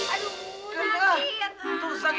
aduh aduh aduh sakit